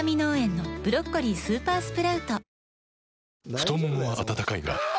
太ももは温かいがあ！